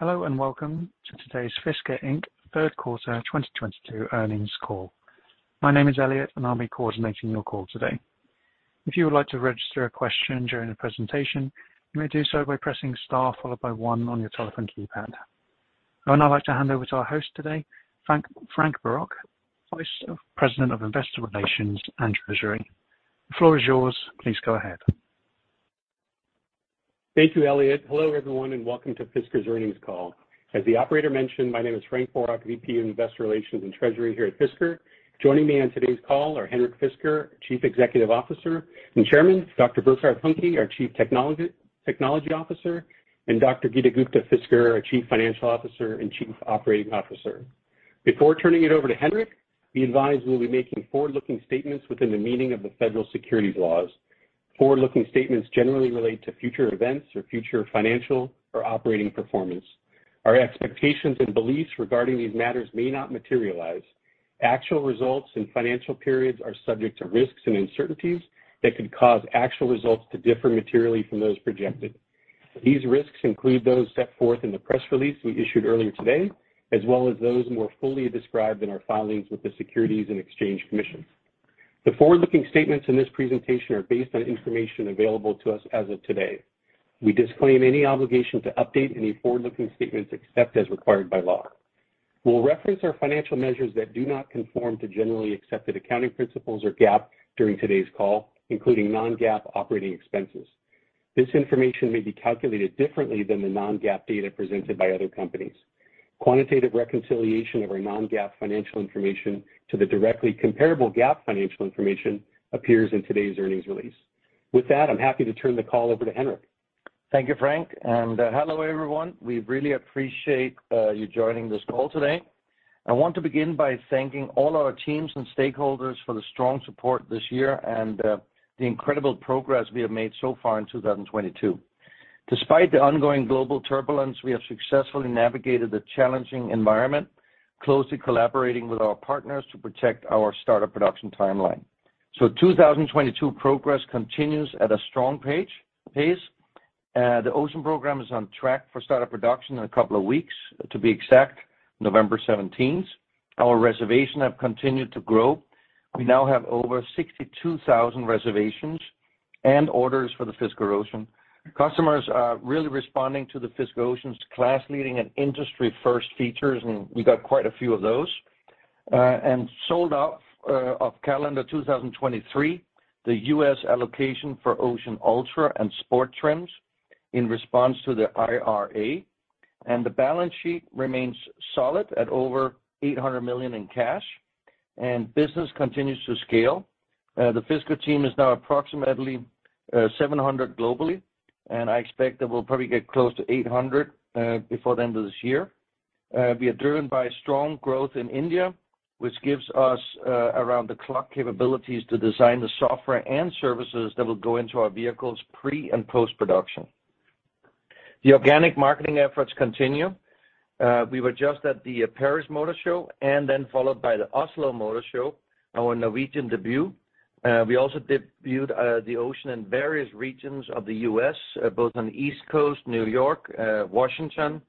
Hello, and welcome to today's Fisker Inc. third quarter 2022 earnings call. My name is Elliot, and I'll be coordinating your call today. If you would like to register a question during the presentation, you may do so by pressing star followed by one on your telephone keypad. I would now like to hand over to our host today, Frank Boroch, Vice President of Investor Relations and Treasury. The floor is yours. Please go ahead. Thank you, Elliot. Hello, everyone, and welcome to Fisker's earnings call. As the operator mentioned, my name is Frank Boroch, VP of Investor Relations and Treasury here at Fisker. Joining me on today's call are Henrik Fisker, Chief Executive Officer and Chairman, Dr. Burkhard Huhnke, our Chief Technology Officer, and Dr. Geeta Gupta-Fisker, our Chief Financial Officer and Chief Operating Officer. Before turning it over to Henrik, be advised we'll be making forward-looking statements within the meaning of the federal securities laws. Forward-looking statements generally relate to future events or future financial or operating performance. Our expectations and beliefs regarding these matters may not materialize. Actual results and financial periods are subject to risks and uncertainties that could cause actual results to differ materially from those projected. These risks include those set forth in the press release we issued earlier today, as well as those more fully described in our filings with the Securities and Exchange Commission. The forward-looking statements in this presentation are based on information available to us as of today. We disclaim any obligation to update any forward-looking statements except as required by law. We'll reference our financial measures that do not conform to generally accepted accounting principles or GAAP during today's call, including non-GAAP operating expenses. This information may be calculated differently than the non-GAAP data presented by other companies. Quantitative reconciliation of our non-GAAP financial information to the directly comparable GAAP financial information appears in today's earnings release. With that, I'm happy to turn the call over to Henrik. Thank you, Frank, and hello, everyone. We really appreciate you joining this call today. I want to begin by thanking all our teams and stakeholders for the strong support this year and the incredible progress we have made so far in 2022. Despite the ongoing global turbulence, we have successfully navigated the challenging environment, closely collaborating with our partners to protect our start of production timeline. 2022 progress continues at a strong pace. The Ocean program is on track for start of production in a couple of weeks, to be exact, November seventeenth. Our reservations have continued to grow. We now have over 62,000 reservations and orders for the Fisker Ocean. Customers are really responding to the Fisker Ocean's class-leading and industry-first features, and we got quite a few of those, and sold out of calendar 2023, the US allocation for Fisker Ocean Ultra and Fisker Ocean Sport trims in response to the IRA. The balance sheet remains solid at over $800 million in cash, and business continues to scale. The Fisker team is now approximately 700 globally, and I expect that we'll probably get close to 800 before the end of this year. We are driven by strong growth in India, which gives us around-the-clock capabilities to design the software and services that will go into our vehicles pre- and post-production. The organic marketing efforts continue. We were just at the Paris Motor Show and then followed by the Oslo Motor Show, our Norwegian debut. We also debuted the Ocean in various regions of the U.S., both on the East Coast, New York, Washington,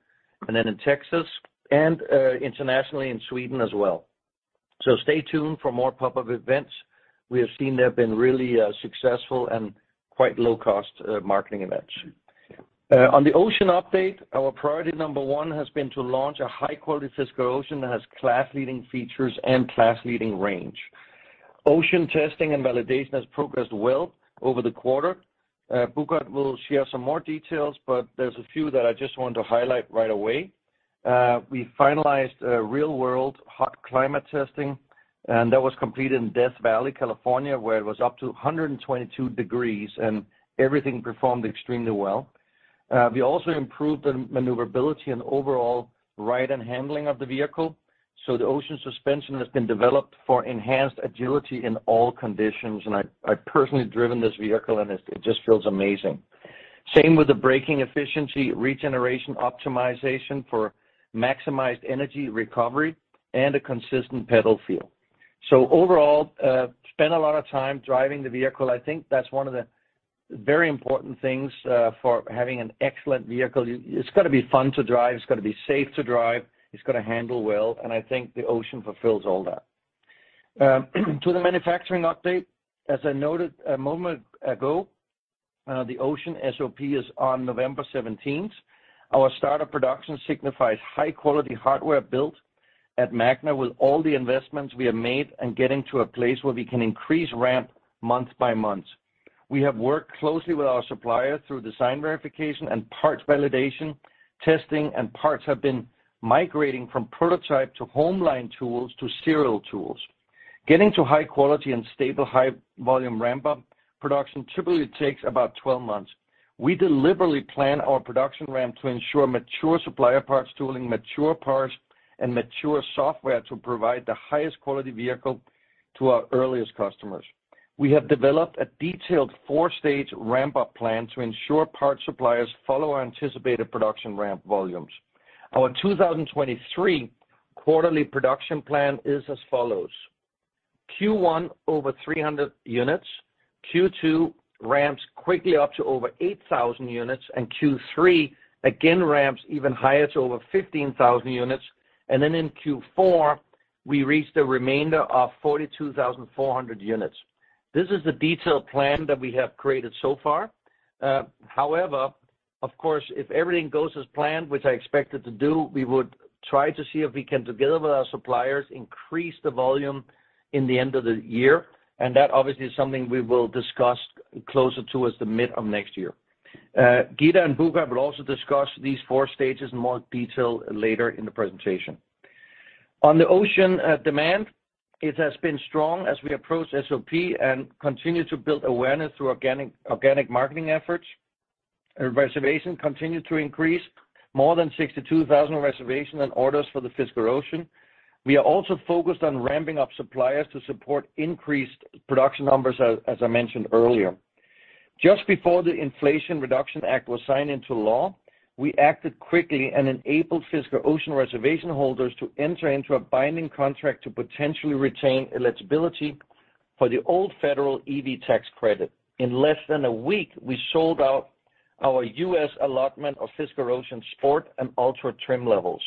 and then in Texas, and internationally in Sweden as well. Stay tuned for more pop-up events. We have seen they have been really successful and quite low-cost marketing events. On the Ocean update, our priority number one has been to launch a high-quality Fisker Ocean that has class-leading features and class-leading range. Ocean testing and validation has progressed well over the quarter. Burkhard will share some more details, but there's a few that I just want to highlight right away. We finalized real-world hot climate testing, and that was completed in Death Valley, California, where it was up to 122 degrees Fahrenheit and everything performed extremely well. We also improved the maneuverability and overall ride and handling of the vehicle. The Ocean suspension has been developed for enhanced agility in all conditions, and I've personally driven this vehicle and it just feels amazing. Same with the braking efficiency, regeneration optimization for maximized energy recovery, and a consistent pedal feel. Overall, spent a lot of time driving the vehicle. I think that's one of the very important things for having an excellent vehicle. It's gotta be fun to drive, it's gotta be safe to drive, it's gotta handle well and I think the Ocean fulfills all that. To the manufacturing update, as I noted a moment ago, the Ocean SOP is on November seventeenth. Our start of production signifies high-quality hardware built at Magna with all the investments we have made and getting to a place where we can increase ramp month by month. We have worked closely with our suppliers through design verification and parts validation, testing and parts have been migrating from prototype to home line tools to serial tools. Getting to high quality and stable high volume ramp-up production typically takes about 12 months. We deliberately plan our production ramp to ensure mature supplier parts tooling, mature part and mature software to provide the highest quality vehicle to our earliest customers. We have developed a detailed four stage ramp-up plan to ensure parts suppliers follow our anticipated production ramp volumes. Our 2023 quarterly production plan is as follows. Q1 over 300 units. Q2 ramps quickly up to over 8,000 units, and Q3 again ramps even higher to over 15,000 units. In Q4, we reach the remainder of 42,400 units. This is the detailed plan that we have created so far. However, of course, if everything goes as planned, which I expect it to do, we would try to see if we can, together with our suppliers, increase the volume in the end of the year. That obviously is something we will discuss closer towards the mid of next year. Geeta and Burkhard will also discuss these four stages in more detail later in the presentation. On the Ocean demand, it has been strong as we approach SOP and continue to build awareness through organic marketing efforts. Reservations continue to increase, more than 62,000 reservations and orders for the Fisker Ocean. We are also focused on ramping up suppliers to support increased production numbers, as I mentioned earlier. Just before the Inflation Reduction Act was signed into law, we acted quickly and enabled Fisker Ocean reservation holders to enter into a binding contract to potentially retain eligibility for the old federal EV tax credit. In less than a week, we sold out our U.S. allotment of Fisker Ocean Sport and Ultra trim levels.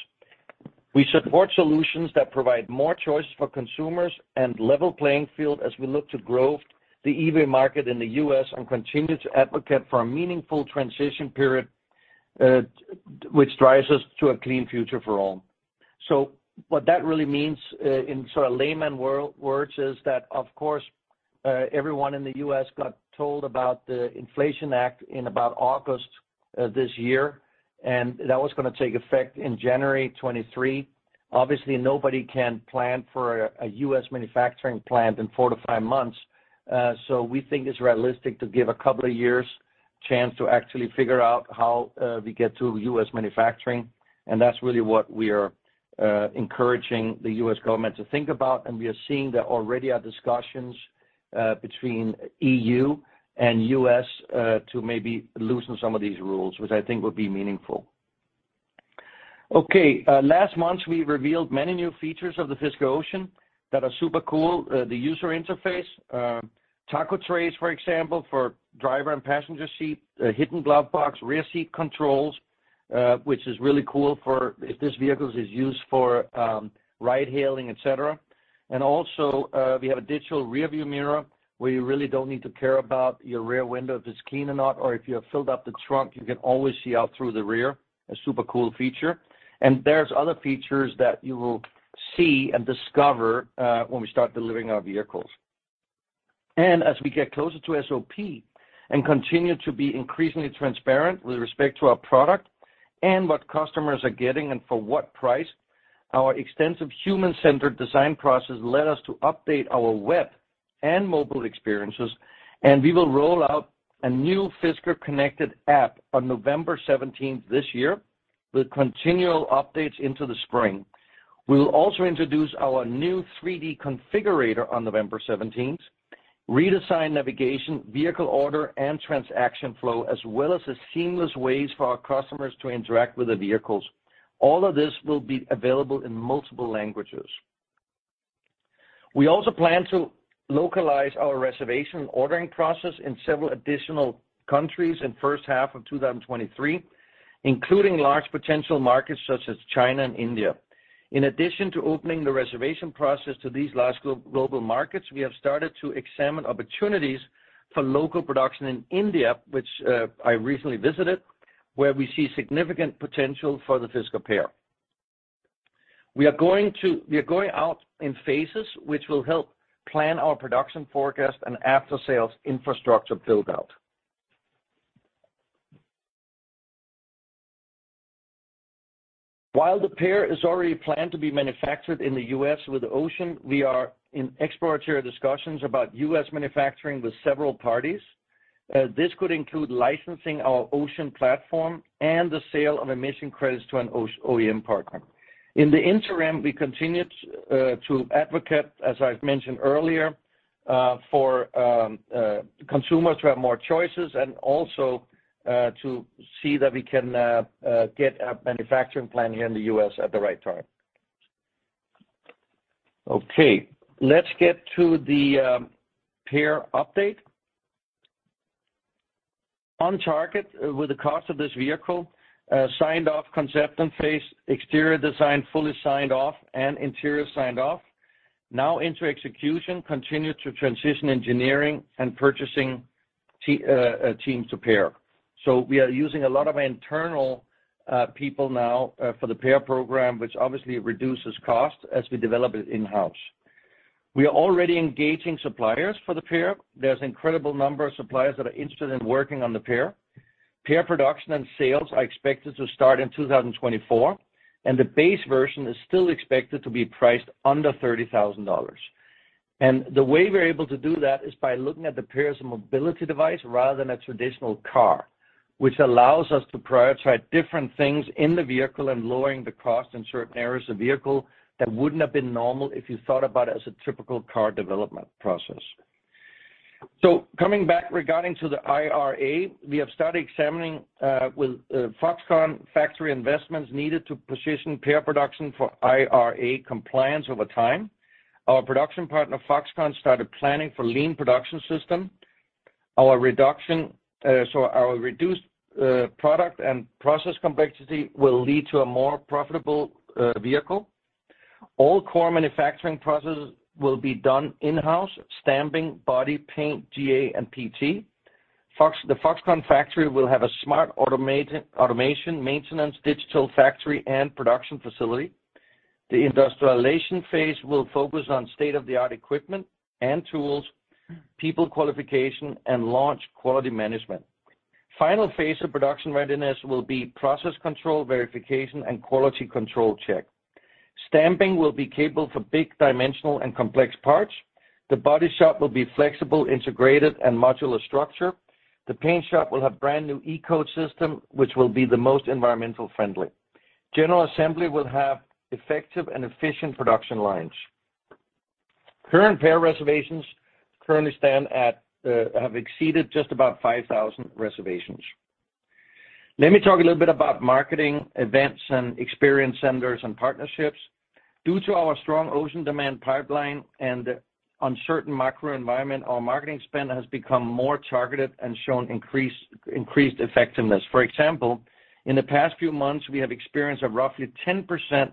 We support solutions that provide more choices for consumers and level playing field as we look to grow the EV market in the U.S. and continue to advocate for a meaningful transition period, which drives us to a clean future for all. What that really means, in sort of layman words, is that of course, everyone in the US got told about the Inflation Reduction Act in about August this year, and that was gonna take effect in January 2023. Obviously, nobody can plan for a US manufacturing plant in four to five months, so we think it's realistic to give a couple of years chance to actually figure out how we get to US manufacturing. That's really what we are encouraging the US government to think about. We are seeing there already are discussions between EU and US to maybe loosen some of these rules, which I think will be meaningful. Okay, last month, we revealed many new features of the Fisker Ocean that are super cool. The user interface, cargo trays, for example, for driver and passenger seat, hidden glove box, rear seat controls, which is really cool for if this vehicle is used for ride-hailing, et cetera. We have a digital rear view mirror where you really don't need to care about your rear window if it's clean or not, or if you have filled up the trunk, you can always see out through the rear. A super cool feature. There's other features that you will see and discover when we start delivering our vehicles. As we get closer to SOP and continue to be increasingly transparent with respect to our product and what customers are getting and for what price, our extensive human-centered design process led us to update our web and mobile experiences, and we will roll out a new Fisker connected app on November seventeenth this year with continual updates into the spring. We will also introduce our new 3D configurator on November seventeenth, redesign navigation, vehicle order, and transaction flow, as well as the seamless ways for our customers to interact with the vehicles. All of this will be available in multiple languages. We also plan to localize our reservation and ordering process in several additional countries in first half of 2023, including large potential markets such as China and India. In addition to opening the reservation process to these large global markets, we have started to examine opportunities for local production in India, which I recently visited, where we see significant potential for the Fisker PEAR. We are going out in phases, which will help plan our production forecast and after-sales infrastructure build-out. While the PEAR is already planned to be manufactured in the U.S. with Ocean, we are in exploratory discussions about U.S. manufacturing with several parties. This could include licensing our Ocean platform and the sale of emission credits to an OEM partner. In the interim, we continue to advocate, as I've mentioned earlier, for consumers who have more choices and also to see that we can get a manufacturing plan here in the U.S. at the right time. Okay, let's get to the Pear update. On target with the cost of this vehicle, signed off concept and phase, exterior design fully signed off and interior signed off. Now into execution, continue to transition engineering and purchasing teams to Pear. We are using a lot of internal people now for the Pear program, which obviously reduces cost as we develop it in-house. We are already engaging suppliers for the Pear. There's incredible number of suppliers that are interested in working on the Pear. Pear production and sales are expected to start in 2024, and the base version is still expected to be priced under $30,000. The way we're able to do that is by looking at the PEAR as a mobility device rather than a traditional car, which allows us to prioritize different things in the vehicle and lowering the cost in certain areas of vehicle that wouldn't have been normal if you thought about it as a typical car development process. Coming back regarding the IRA, we have started examining with Foxconn factory investments needed to position PEAR production for IRA compliance over time. Our production partner, Foxconn, started planning for lean production system. Our reduced product and process complexity will lead to a more profitable vehicle. All core manufacturing processes will be done in-house, stamping, body, paint, GA, and PT. The Foxconn factory will have a smart automation maintenance digital factory and production facility. The industrialization phase will focus on state-of-the-art equipment and tools, people qualification, and launch quality management. Final phase of production readiness will be process control verification and quality control check. Stamping will be capable for big dimensional and complex parts. The body shop will be flexible, integrated, and modular structure. The paint shop will have brand new ecosystem, which will be the most environmentally friendly. General assembly will have effective and efficient production lines. Current PEAR reservations have exceeded just about 5,000 reservations. Let me talk a little bit about marketing events and experience centers and partnerships. Due to our strong Ocean demand pipeline and uncertain macro environment, our marketing spend has become more targeted and shown increased effectiveness. For example, in the past few months, we have experienced a roughly 10%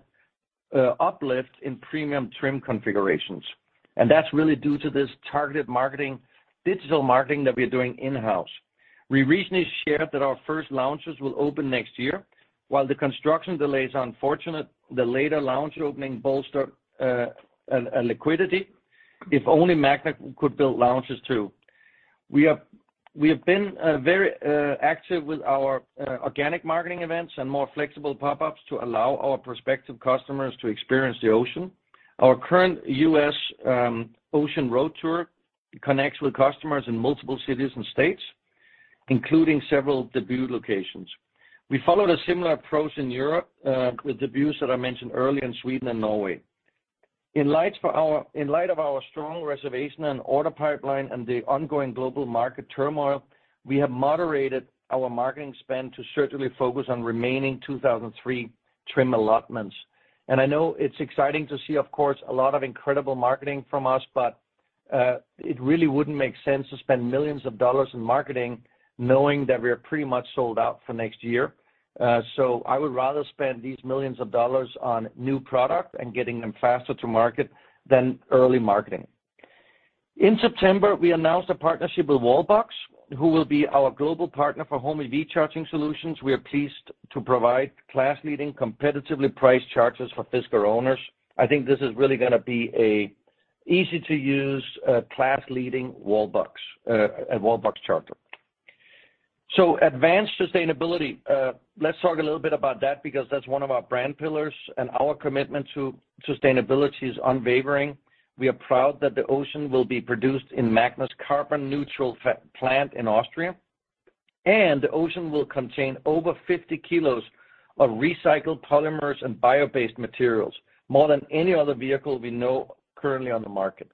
uplift in premium trim configurations, and that's really due to this targeted marketing, digital marketing that we are doing in-house. We recently shared that our first lounges will open next year. While the construction delay is unfortunate, the later lounge opening bolsters our liquidity. If only Magna could build lounges too. We have been very active with our organic marketing events and more flexible pop-ups to allow our prospective customers to experience the Ocean. Our current US Ocean road tour connects with customers in multiple cities and states, including several debut locations. We followed a similar approach in Europe with debuts that I mentioned earlier in Sweden and Norway. In light of our strong reservation and order pipeline and the ongoing global market turmoil, we have moderated our marketing spend to certainly focus on remaining 2023 trim allotments. I know it's exciting to see, of course, a lot of incredible marketing from us, but it really wouldn't make sense to spend $ millions in marketing knowing that we are pretty much sold out for next year. So I would rather spend these $ millions on new product and getting them faster to market than early marketing. In September, we announced a partnership with Wallbox, who will be our global partner for home EV charging solutions. We are pleased to provide class-leading, competitively priced chargers for Fisker owners. I think this is really gonna be an easy-to-use, class-leading Wallbox, a Wallbox charger. Advanced sustainability, let's talk a little bit about that because that's one of our brand pillars, and our commitment to sustainability is unwavering. We are proud that the Ocean will be produced in Magna's carbon-neutral plant in Austria, and the Ocean will contain over 50 kilos of recycled polymers and bio-based materials, more than any other vehicle we know currently on the market.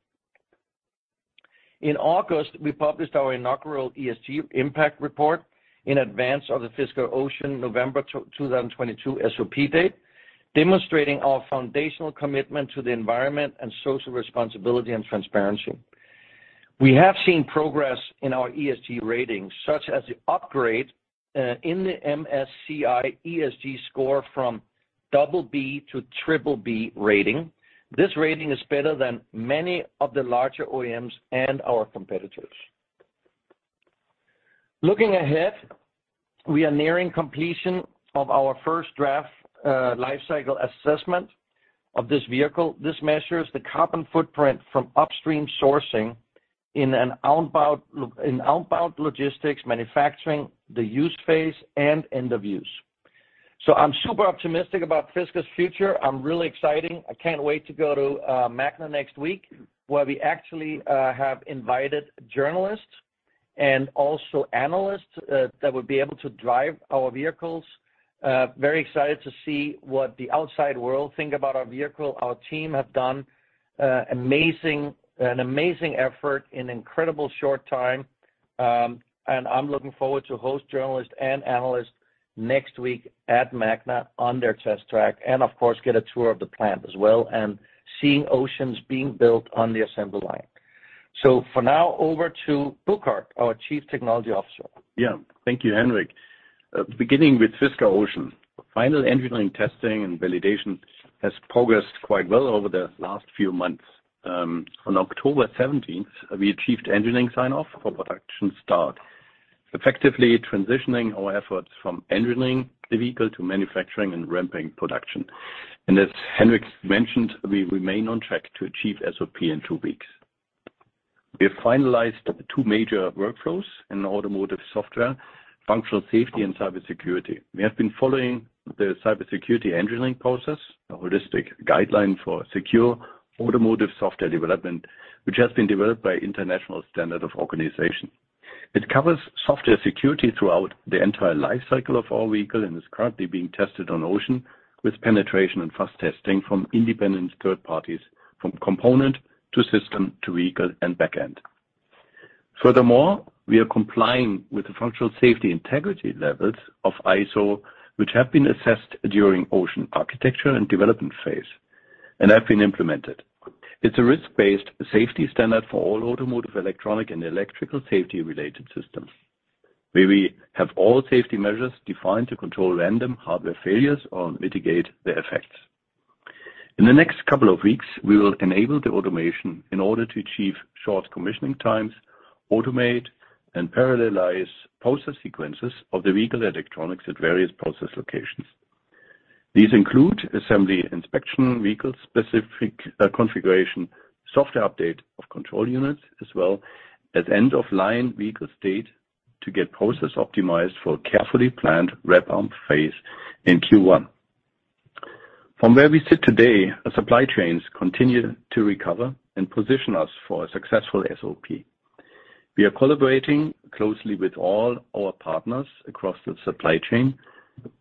In August, we published our inaugural ESG impact report in advance of the Fisker Ocean November 2022 SOP date, demonstrating our foundational commitment to the environment and social responsibility and transparency. We have seen progress in our ESG ratings, such as the upgrade in the MSCI ESG score from BB to BBB rating. This rating is better than many of the larger OEMs and our competitors. Looking ahead, we are nearing completion of our first draft life cycle assessment of this vehicle. This measures the carbon footprint from upstream sourcing in outbound logistics, manufacturing, the use phase, and end of use. I'm super optimistic about Fisker's future. I'm really exciting. I can't wait to go to Magna next week, where we actually have invited journalists and also analysts that would be able to drive our vehicles. Very excited to see what the outside world think about our vehicle. Our team have done an amazing effort in incredibly short time. I'm looking forward to host journalists and analysts next week at Magna on their test track, and of course, get a tour of the plant as well, and seeing Oceans being built on the assembly line. For now, over to Burkhard, our Chief Technology Officer. Yeah. Thank you, Henrik. Beginning with Fisker Ocean. Final engineering testing and validation has progressed quite well over the last few months. On October seventeenth, we achieved engineering sign-off for production start, effectively transitioning our efforts from engineering the vehicle to manufacturing and ramping production. As Henrik mentioned, we remain on track to achieve SOP in two weeks. We have finalized two major workflows in automotive software, functional safety and cybersecurity. We have been following the cybersecurity engineering process, a holistic guideline for secure automotive software development, which has been developed by International Organization for Standardization. It covers software security throughout the entire life cycle of our vehicle and is currently being tested on Ocean with penetration and fuzz testing from independent third parties, from component to system to vehicle and back-end. Furthermore, we are complying with the functional safety integrity levels of ISO, which have been assessed during Ocean architecture and development phase and have been implemented. It's a risk-based safety standard for all automotive, electronic and electrical safety-related systems, where we have all safety measures defined to control random hardware failures or mitigate their effects. In the next couple of weeks, we will enable the automation in order to achieve short commissioning times, automate and parallelize process sequences of the vehicle electronics at various process locations. These include assembly inspection, vehicle-specific configuration, software update of control units, as well as end-of-line vehicle state to get process optimized for a carefully planned ramp-up phase in Q1. From where we sit today, our supply chains continue to recover and position us for a successful SOP. We are collaborating closely with all our partners across the supply chain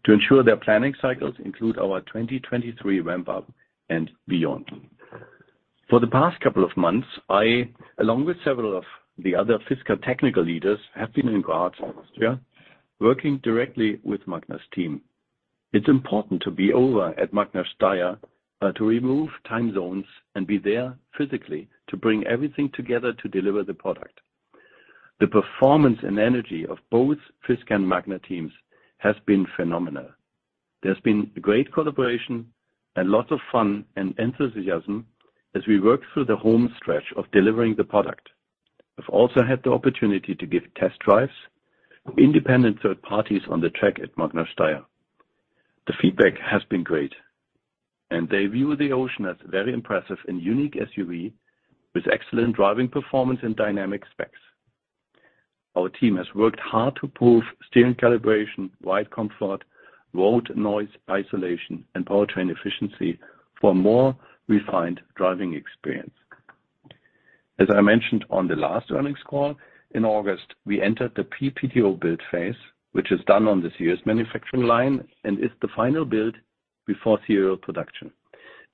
to ensure their planning cycles include our 2023 ramp-up and beyond. For the past couple of months, I, along with several of the other Fisker technical leaders, have been in Graz, Austria, working directly with Magna's team. It's important to be over at Magna Steyr to remove time zones and be there physically to bring everything together to deliver the product. The performance and energy of both Fisker and Magna teams has been phenomenal. There's been great collaboration and lots of fun and enthusiasm as we work through the home stretch of delivering the product. We've also had the opportunity to give test drives to independent third parties on the track at Magna Steyr. The feedback has been great, and they view the Ocean as a very impressive and unique SUV with excellent driving performance and dynamic specs. Our team has worked hard to prove steering calibration, ride comfort, road noise isolation, and powertrain efficiency for more refined driving experience. As I mentioned on the last earnings call, in August, we entered the PTO build phase, which is done on the series manufacturing line and is the final build before serial production.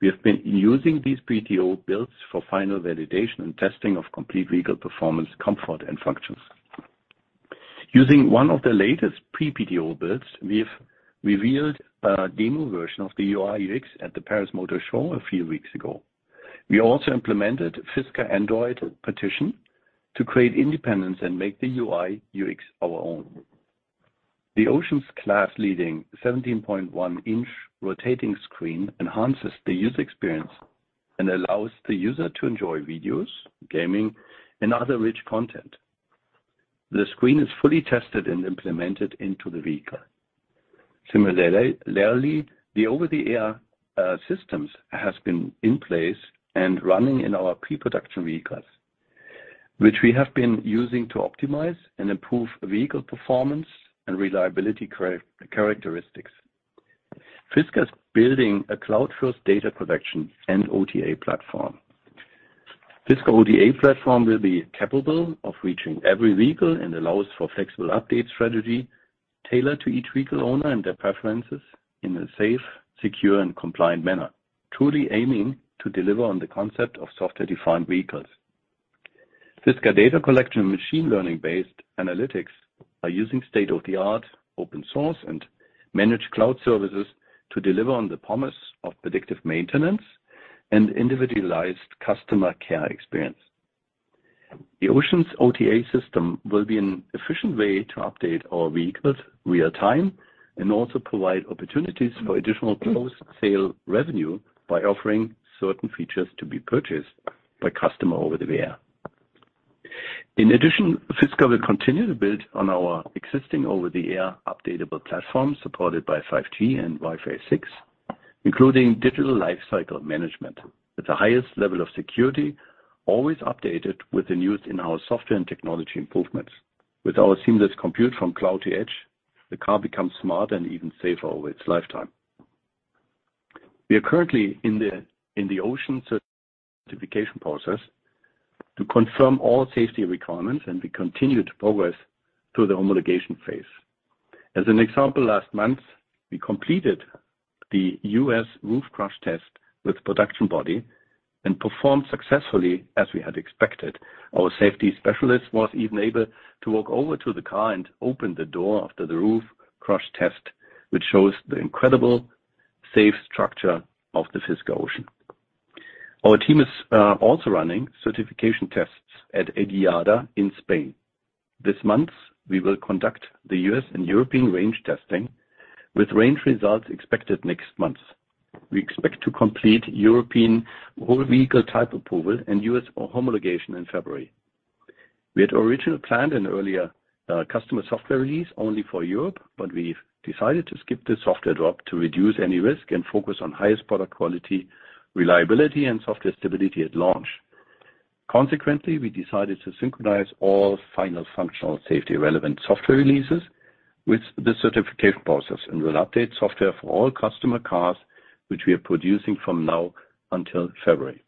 We have been using these PTO builds for final validation and testing of complete vehicle performance, comfort, and functions. Using one of the latest pre-PTO builds, we've revealed a demo version of the UI/UX at the Paris Motor Show a few weeks ago. We also implemented Fisker Android Partition to create independence and make the UI/UX our own. The Ocean's class-leading 17.1-inch rotating screen enhances the user experience and allows the user to enjoy videos, gaming, and other rich content. The screen is fully tested and implemented into the vehicle. Similarly, the over-the-air systems has been in place and running in our pre-production vehicles, which we have been using to optimize and improve vehicle performance and reliability characteristics. Fisker is building a cloud-first data collection and OTA platform. Fisker OTA platform will be capable of reaching every vehicle and allows for flexible update strategy tailored to each vehicle owner and their preferences in a safe, secure, and compliant manner, truly aiming to deliver on the concept of software-defined vehicles. Fisker data collection and machine learning-based analytics are using state-of-the-art open source and managed cloud services to deliver on the promise of predictive maintenance and individualized customer care experience. The Ocean's OTA system will be an efficient way to update our vehicles real time and also provide opportunities for additional post-sale revenue by offering certain features to be purchased by customer over the air. In addition, Fisker will continue to build on our existing over-the-air updatable platform supported by 5G and Wi-Fi 6, including digital life cycle management with the highest level of security always updated with the newest in our software and technology improvements. With our seamless compute from cloud to edge, the car becomes smarter and even safer over its lifetime. We are currently in the Ocean certification process to confirm all safety requirements, and we continue to progress through the homologation phase. As an example, last month, we completed the U.S. roof crush test with production body and performed successfully as we had expected. Our safety specialist was even able to walk over to the car and open the door after the roof crush test, which shows the incredible safe structure of the Fisker Ocean. Our team is also running certification tests at IDIADA in Spain. This month, we will conduct the US and European range testing with range results expected next month. We expect to complete European whole vehicle type approval and US homologation in February. We had originally planned an earlier customer software release only for Europe, but we've decided to skip this software drop to reduce any risk and focus on highest product quality, reliability and software stability at launch. Consequently, we decided to synchronize all final functional safety relevant software releases with the certification process and will update software for all customer cars which we are producing from now until February.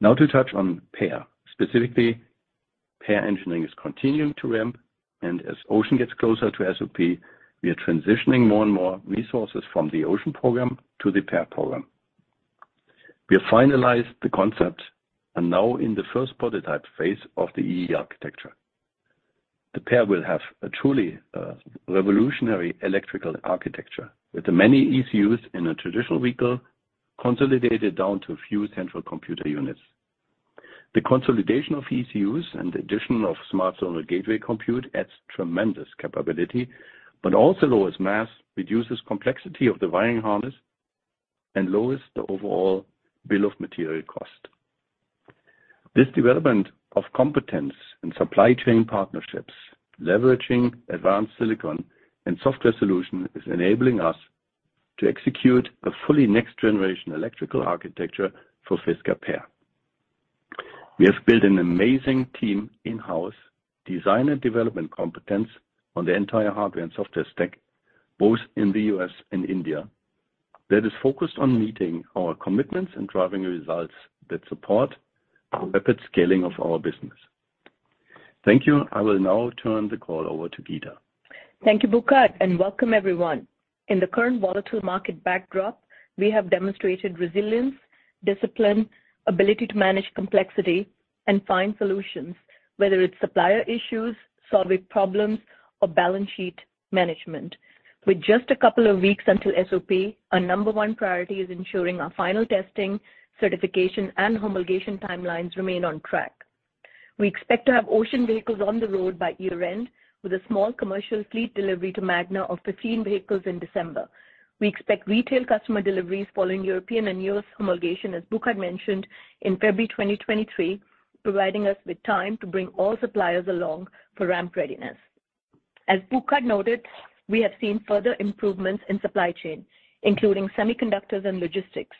Now to touch on PEAR. Specifically, PEAR engineering is continuing to ramp and as Ocean gets closer to SOP, we are transitioning more and more resources from the Ocean program to the PEAR program. We have finalized the concept and now in the first prototype phase of the E/E architecture. The PEAR will have a truly revolutionary electrical architecture with the many ECUs in a traditional vehicle consolidated down to a few central computer units. The consolidation of ECUs and the addition of smart zonal gateway compute adds tremendous capability, but also lowers mass, reduces complexity of the wiring harness, and lowers the overall bill of material cost. This development of competence and supply chain partnerships, leveraging advanced silicon and software solution is enabling us to execute a fully next-generation electrical architecture for Fisker PEAR. We have built an amazing team in-house, design and development competence on the entire hardware and software stack, both in the U.S. and India, that is focused on meeting our commitments and driving results that support rapid scaling of our business. Thank you. I will now turn the call over to Geeta. Thank you, Burkhard and welcome everyone. In the current volatile market backdrop, we have demonstrated resilience, discipline, ability to manage complexity and find solutions, whether it's supplier issues, solving problems, or balance sheet management. With just a couple of weeks until SOP, our number one priority is ensuring our final testing, certification and homologation timelines remain on track. We expect to have Ocean vehicles on the road by year-end with a small commercial fleet delivery to Magna of 15 vehicles in December. We expect retail customer deliveries following European and US homologation, as Burkhard mentioned, in February 2023, providing us with time to bring all suppliers along for ramp readiness. As Burkhard noted, we have seen further improvements in supply chain, including semiconductors and logistics.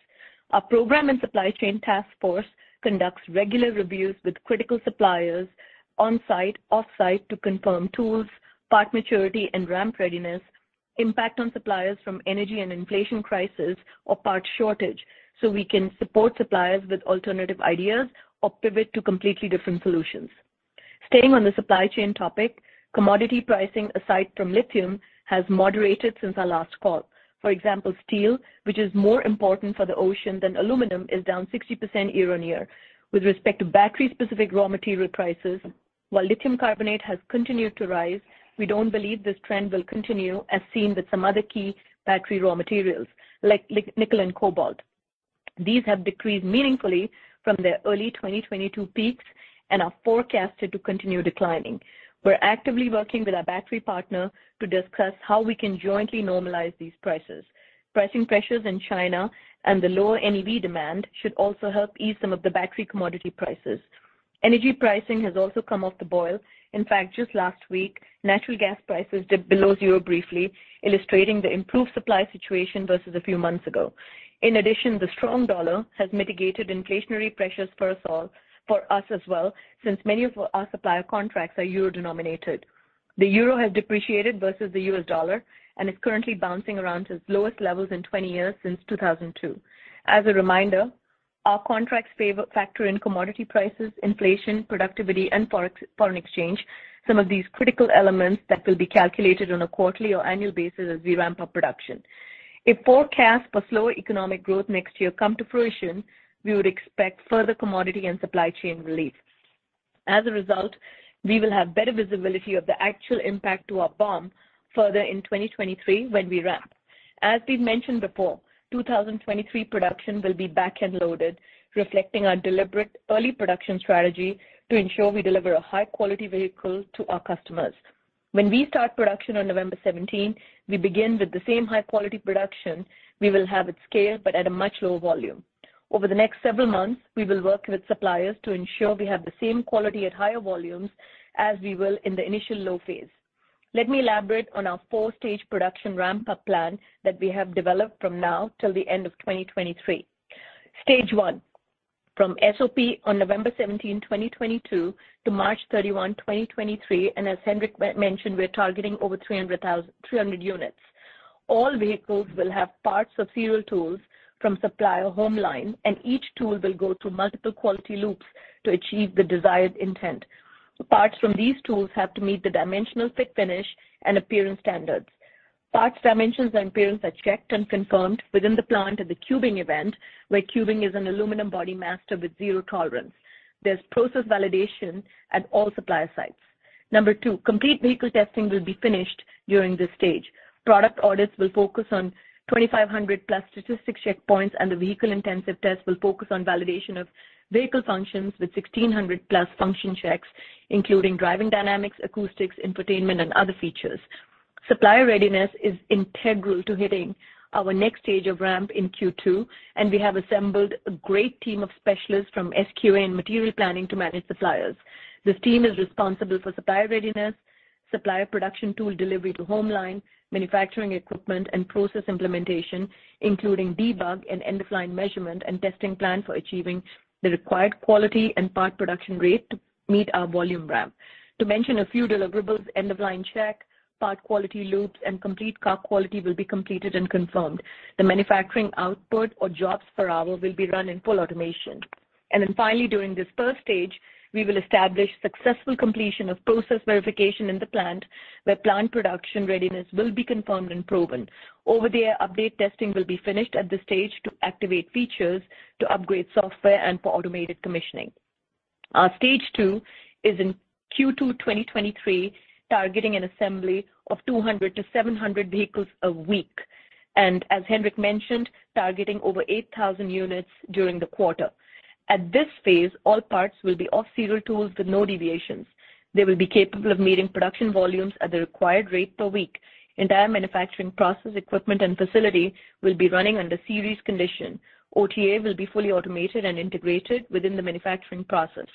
Our program and supply chain task force conducts regular reviews with critical suppliers on-site, off-site, to confirm tools, part maturity, and ramp readiness impact on suppliers from energy and inflation crisis or part shortage, so we can support suppliers with alternative ideas or pivot to completely different solutions. Staying on the supply chain topic, commodity pricing aside from lithium has moderated since our last call. For example, steel, which is more important for the Ocean than aluminum, is down 60% year-on-year. With respect to battery-specific raw material prices, while lithium carbonate has continued to rise, we don't believe this trend will continue as seen with some other key battery raw materials like lithium nickel and cobalt. These have decreased meaningfully from their early 2022 peaks and are forecasted to continue declining. We're actively working with our battery partner to discuss how we can jointly normalize these prices. Pricing pressures in China and the lower NEV demand should also help ease some of the battery commodity prices. Energy pricing has also come off the boil. In fact, just last week, natural gas prices dipped below zero briefly, illustrating the improved supply situation versus a few months ago. In addition, the strong dollar has mitigated inflationary pressures for us as well, since many of our supplier contracts are euro-denominated. The euro has depreciated versus the US dollar and is currently bouncing around to its lowest levels in 20 years since 2002. As a reminder, our contracts factor in commodity prices, inflation, productivity and forex foreign exchange, some of these critical elements that will be calculated on a quarterly or annual basis as we ramp up production. If forecasts for slower economic growth next year come to fruition, we would expect further commodity and supply chain relief. As a result, we will have better visibility of the actual impact to our BOM further in 2023 when we ramp. As we've mentioned before, 2023 production will be back-end loaded, reflecting our deliberate early production strategy to ensure we deliver a high-quality vehicle to our customers. When we start production on November seventeenth, we begin with the same high-quality production we will have at scale, but at a much lower volume. Over the next several months, we will work with suppliers to ensure we have the same quality at higher volumes as we will in the initial low phase. Let me elaborate on our four-stage production ramp-up plan that we have developed from now till the end of 2023. Stage one, from SOP on November 17, 2022 to March 31, 2023, and as Henrik mentioned, we're targeting over 300,000 units. All vehicles will have parts of serial tools from supplier home line and each tool will go through multiple quality loops to achieve the desired intent. The parts from these tools have to meet the dimensional fit, finish, and appearance standards. Parts dimensions and appearance are checked and confirmed within the plant at the cubing event, where cubing is an aluminum body master with zero tolerance. There's process validation at all supplier sites. Number two, complete vehicle testing will be finished during this stage. Product audits will focus on 2,500+ statistical checkpoints and the vehicle-intensive test will focus on validation of vehicle functions with 1,600+ function checks, including driving dynamics, acoustics, infotainment, and other features. Supplier readiness is integral to hitting our next stage of ramp in Q2, and we have assembled a great team of specialists from SQE material planning to manage suppliers. This team is responsible for supplier readiness, supplier production tool delivery to home line, manufacturing equipment, and process implementation, including debug and end-of-line measurement and testing plan for achieving the required quality and part production rate to meet our volume ramp. To mention a few deliverables, end-of-line check, part quality loops and complete car quality will be completed and confirmed. The manufacturing output or jobs per hour will be run in full automation. Finally, during this first stage, we will establish successful completion of process verification in the plant, where plant production readiness will be confirmed and proven. Over-the-air update testing will be finished at this stage to activate features to upgrade software and for automated commissioning. Our stage two is in Q2 2023, targeting an assembly of 200-700 vehicles a week. As Henrik mentioned, targeting over 8,000 units during the quarter. At this phase, all parts will be off serial tools with no deviations. They will be capable of meeting production volumes at the required rate per week. Entire manufacturing process equipment and facility will be running under series condition. OTA will be fully automated and integrated within the manufacturing process.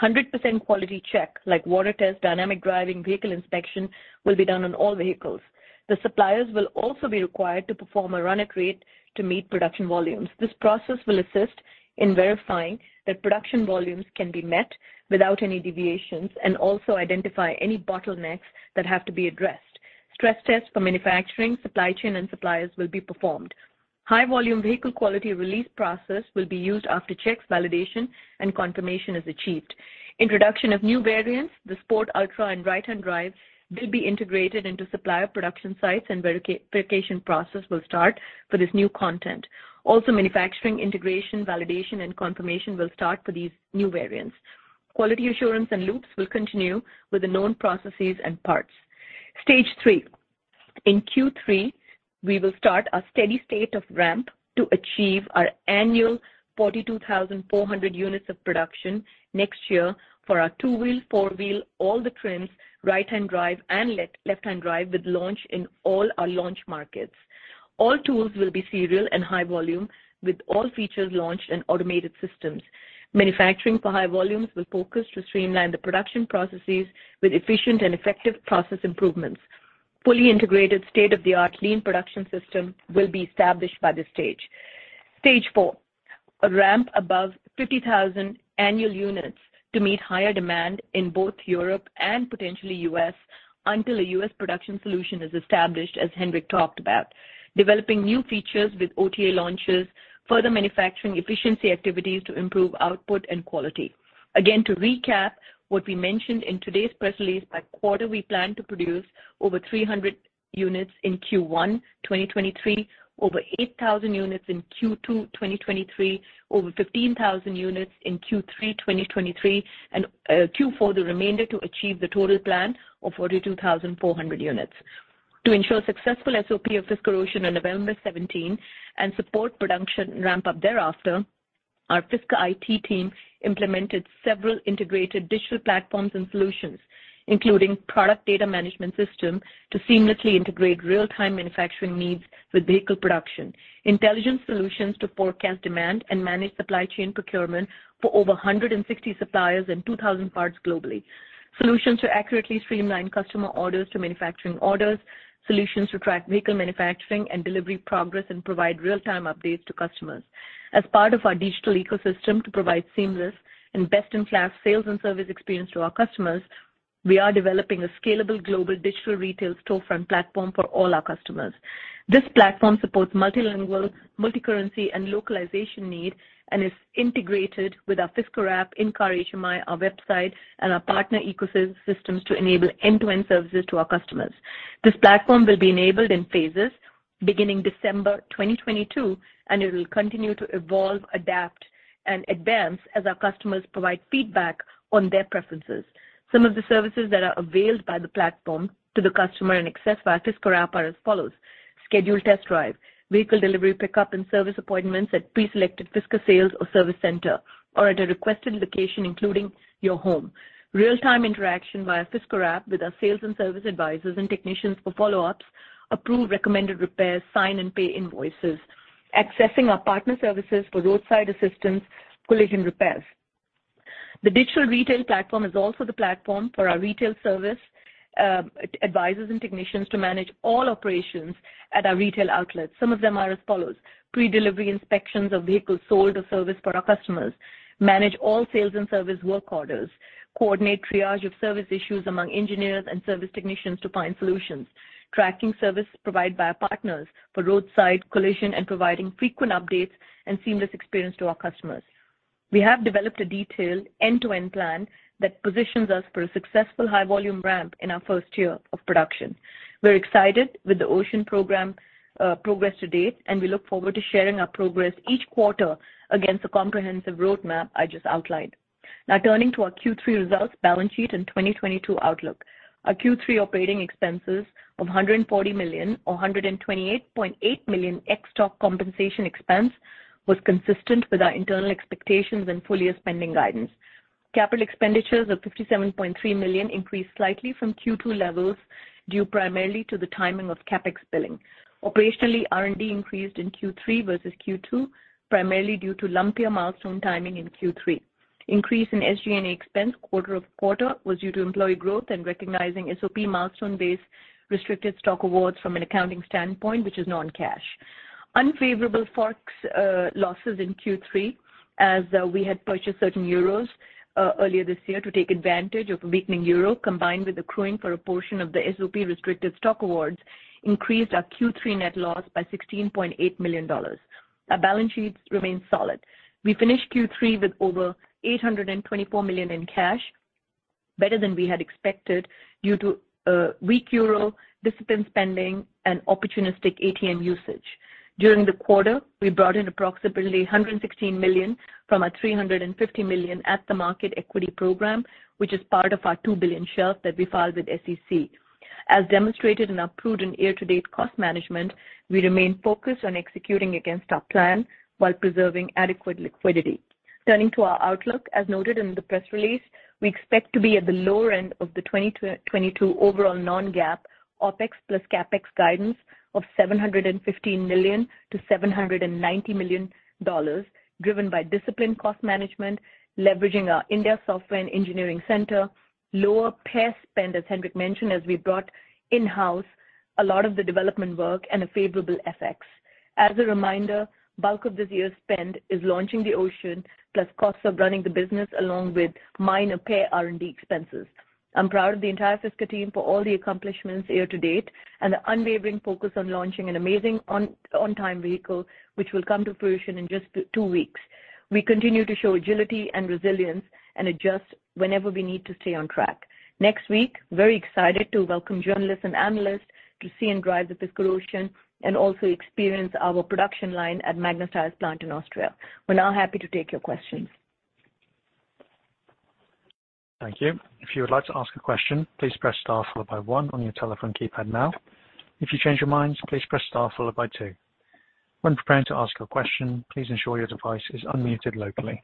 100% quality check, like water test, dynamic driving, vehicle inspection, will be done on all vehicles. The suppliers will also be required to perform a run at rate to meet production volumes. This process will assist in verifying that production volumes can be met without any deviations and also identify any bottlenecks that have to be addressed. Stress tests for manufacturing, supply chain and suppliers will be performed. High volume vehicle quality release process will be used after checks, validation and confirmation is achieved. Introduction of new variants, the Sport, Ultra and right-hand drive will be integrated into supplier production sites and verification process will start for this new content. Also manufacturing integration, validation and confirmation will start for these new variants. Quality assurance and loops will continue with the known processes and parts. Stage three. In Q3, we will start a steady state of ramp to achieve our annual 42,400 units of production next year for our two-wheel, four-wheel, all the trims, right-hand drive and left-hand drive with launch in all our launch markets. All tools will be serial and high volume with all features launched in automated systems. Manufacturing for high volumes will focus to streamline the production processes with efficient and effective process improvements. Fully integrated state-of-the-art lean production system will be established by this stage. Stage four, a ramp above 50,000 annual units to meet higher demand in both Europe and potentially U.S. until a U.S. production solution is established, as Henrik talked about. Developing new features with OTA launches, further manufacturing efficiency activities to improve output and quality. Again, to recap what we mentioned in today's press release, by quarter, we plan to produce over 300 units in Q1 2023, over 8,000 units in Q2 2023, over 15,000 units in Q3 2023 and Q4, the remainder to achieve the total plan of 42,400 units. To ensure successful SOP of Fisker Ocean on November seventeenth and support production ramp up thereafter, our Fisker IT team implemented several integrated digital platforms and solutions, including product data management system to seamlessly integrate real-time manufacturing needs with vehicle production. Intelligent solutions to forecast demand and manage supply chain procurement for over 160 suppliers and 2,000 parts globally. Solutions to accurately streamline customer orders to manufacturing orders, solutions to track vehicle manufacturing and delivery progress and provide real-time updates to customers. As part of our digital ecosystem to provide seamless and best-in-class sales and service experience to our customers, we are developing a scalable global digital retail storefront platform for all our customers. This platform supports multilingual, multicurrency and localization need and is integrated with our Fisker app, in-car HMI, our website and our partner ecosystem systems to enable end-to-end services to our customers. This platform will be enabled in phases beginning December 2022, and it will continue to evolve, adapt, and advance as our customers provide feedback on their preferences. Some of the services that are availed by the platform to the customer and accessed via Fisker app are as follows. Schedule test drive, vehicle delivery, pickup and service appointments at preselected Fisker sales or service center or at a requested location, including your home. Real-time interaction via Fisker app with our sales and service advisors and technicians for follow-ups, approve recommended repairs, sign and pay invoices, accessing our partner services for roadside assistance, collision repairs. The digital retail platform is also the platform for our retail service advisors and technicians to manage all operations at our retail outlets. Some of them are as follows. Pre-delivery inspections of vehicles sold or serviced for our customers, manage all sales and service work orders, coordinate triage of service issues among engineers and service technicians to find solutions, tracking service provided by our partners for roadside collision and providing frequent updates and seamless experience to our customers. We have developed a detailed end-to-end plan that positions us for a successful high volume ramp in our first year of production. We're excited with the Ocean program, progress to date and we look forward to sharing our progress each quarter against the comprehensive roadmap I just outlined. Now turning to our Q3 results, balance sheet and 2022 outlook. Our Q3 operating expenses of $140 million, or $128.8 million ex-stock compensation expense, was consistent with our internal expectations and full year spending guidance. Capital expenditures of $57.3 million increased slightly from Q2 levels due primarily to the timing of CapEx billing. Operationally, R&D increased in Q3 versus Q2, primarily due to lumpier milestone timing in Q3. Increase in SG&A expense quarter over quarter was due to employee growth and recognizing SOP milestone-based restricted stock awards from an accounting standpoint, which is non-cash. Unfavorable forex losses in Q3 as we had purchased certain euros. Earlier this year to take advantage of weakening euro combined with accruing for a portion of the SOP restricted stock awards increased our Q3 net loss by $16.8 million. Our balance sheets remain solid. We finished Q3 with over $824 million in cash, better than we had expected due to weak euro, disciplined spending and opportunistic ATM usage. During the quarter, we brought in approximately $116 million from our $350 million at the market equity program, which is part of our $2 billion shelf that we filed with SEC. As demonstrated in our prudent year-to-date cost management, we remain focused on executing against our plan while preserving adequate liquidity. Turning to our outlook, as noted in the press release, we expect to be at the lower end of the 2022 overall non-GAAP OpEx plus CapEx guidance of $715 million-$790 million, driven by disciplined cost management, leveraging our India software and engineering center, lower PEAR spend, as Henrik mentioned, as we brought in-house a lot of the development work and a favorable FX. As a reminder, bulk of this year's spend is launching the Ocean plus costs of running the business along with minor PEAR R&D expenses. I'm proud of the entire Fisker team for all the accomplishments year to date and the unwavering focus on launching an amazing on-time vehicle, which will come to fruition in just two weeks. We continue to show agility and resilience and adjust whenever we need to stay on track. Next week, very excited to welcome journalists and analysts to see and drive the Fisker Ocean and also experience our production line at Magna Steyr's plant in Austria. We're now happy to take your questions. Thank you. If you would like to ask a question, please press star followed by one on your telephone keypad now. If you change your mind, please press star followed by two. When preparing to ask a question, please ensure your device is unmuted locally.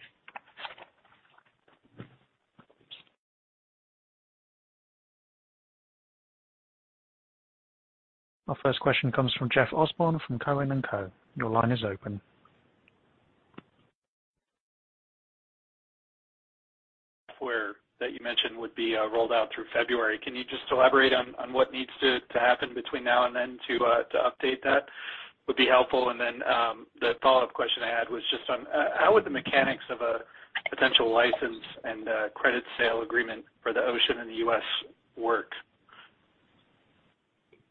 Our first question comes from Jeff Osborne from Cowen and Co. Your line is open. Software that you mentioned would be rolled out through February. Can you just elaborate on what needs to happen between now and then to update that would be helpful? The follow-up question I had was just on how would the mechanics of a potential license and credit sale agreement for the Ocean in the US work?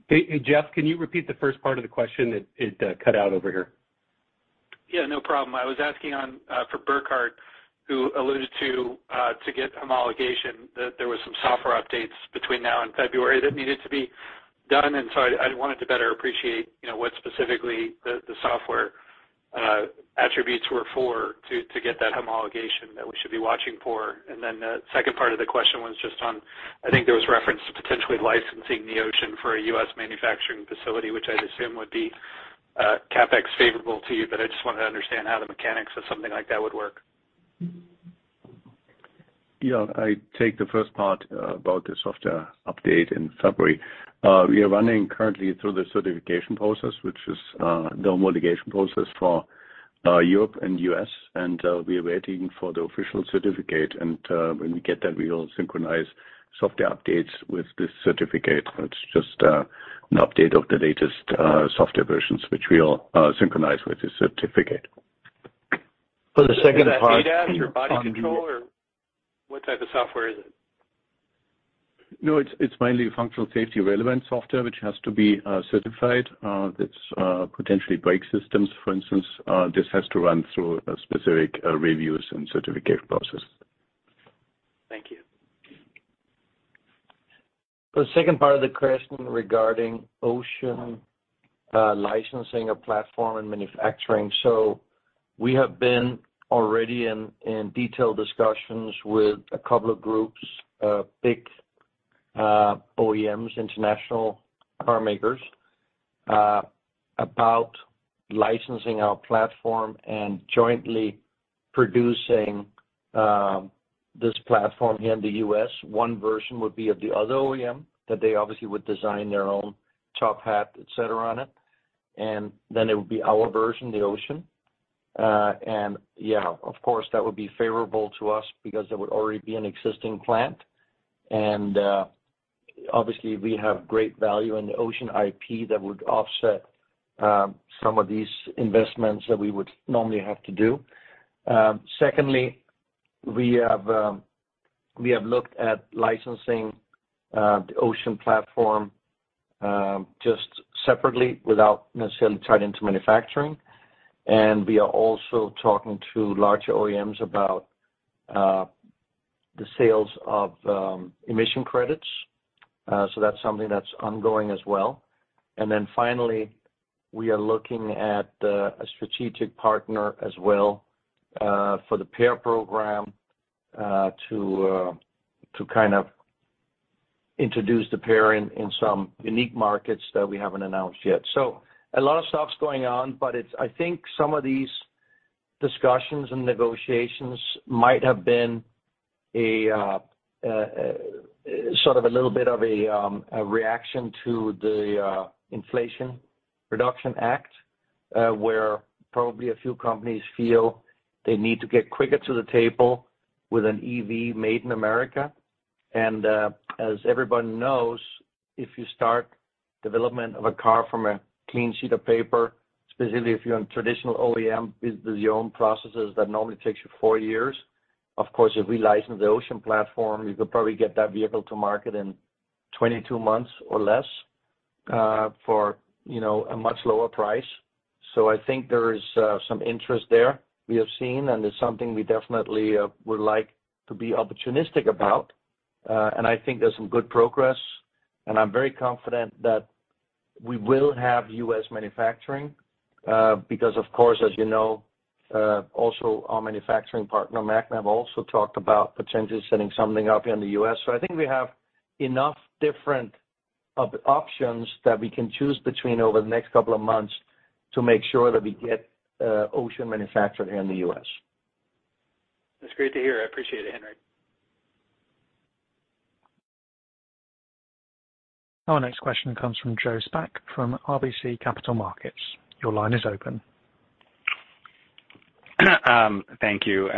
Hey, Jeff, can you repeat the first part of the question? It cut out over here. Yeah, no problem. I was asking for Burkhard, who alluded to get homologation that there was some software updates between now and February that needed to be done. I'd wanted to better appreciate, you know, what specifically the software attributes were for to get that homologation that we should be watching for. The second part of the question was just on, I think there was reference to potentially licensing the Ocean for a U.S. manufacturing facility, which I'd assume would be CapEx favorable to you. I just wanted to understand how the mechanics of something like that would work. Yeah. I take the first part about the software update in February. We are running currently through the certification process, which is the homologation process for Europe and U.S., and we are waiting for the official certificate. When we get that, we will synchronize software updates with this certificate. It's just an update of the latest software versions, which we'll synchronize with the certificate. For the second part. Is that ADAS or body control or what type of software is it? No, it's mainly functional safety relevant software, which has to be certified. That's potentially brake systems, for instance, this has to run through a specific reviews and certification process. Thank you. The second part of the question regarding Ocean, licensing a platform and manufacturing. We have been already in detailed discussions with a couple of groups, big OEMs, international carmakers, about licensing our platform and jointly producing this platform here in the U.S. One version would be of the other OEM that they obviously would design their own top hat, et cetera, on it, and then it would be our version, the Ocean. Yeah, of course, that would be favorable to us because there would already be an existing plant. Obviously we have great value in the Ocean IP that would offset some of these investments that we would normally have to do. Secondly, we have looked at licensing the Ocean platform just separately without necessarily tied into manufacturing. We are also talking to larger OEMs about the sales of emission credits. That's something that's ongoing as well. Finally, we are looking at a strategic partner as well for the PEAR program to kind of introduce the PEAR in some unique markets that we haven't announced yet. A lot of stuff's going on, but I think some of these discussions and negotiations might have been a sort of little bit of a reaction to the Inflation Reduction Act, where probably a few companies feel they need to get quicker to the table with an EV made in America. As everyone knows, if you start development of a car from a clean sheet of paper, specifically if you're on traditional OEM business as your own processes, that normally takes you four years. Of course, if we license the Ocean platform, we could probably get that vehicle to market in 22 months or less, for, you know, a much lower price. I think there is some interest there we have seen, and it's something we definitely would like to be opportunistic about. I think there's some good progress, and I'm very confident that we will have U.S. manufacturing, because of course, as you know, also our manufacturing partner, Magna, have also talked about potentially setting something up in the U.S. I think we have enough different options that we can choose between over the next couple of months to make sure that we get Ocean manufactured here in the U.S. That's great to hear. I appreciate it, Henrik. Our next question comes from Joseph Spak from RBC Capital Markets. Your line is open. Thank you.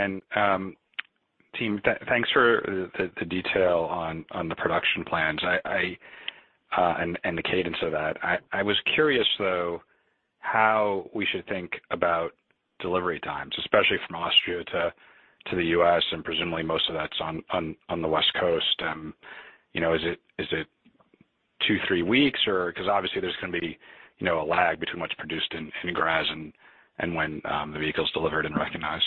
Team, thanks for the detail on the production plans and the cadence of that. I was curious though, how we should think about delivery times, especially from Austria to the U.S. and presumably most of that's on the West Coast. You know, is it 2-3 weeks? Because obviously there's gonna be, you know, a lag between what's produced in Graz and when the vehicle's delivered and recognized.